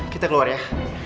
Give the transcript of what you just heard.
kita keluar ya